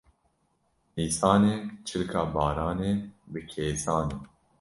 Nîsan e çilka baranê bi kêsane